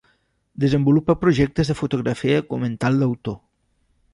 Desenvolupa projectes de fotografia documental d'autor.